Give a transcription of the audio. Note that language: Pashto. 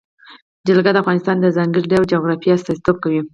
جلګه د افغانستان د ځانګړي ډول جغرافیه استازیتوب کوي.